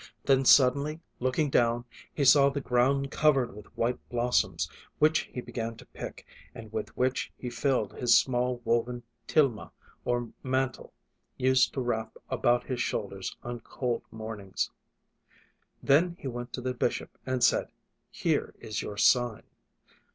Then suddenly looking down he saw the ground covered with white blossoms which he began to pick and with which he filled his small woven tilma or mantle, used to wrap about his shoulders on cold mornings. Then he went to the bishop and said, "Here is your sign."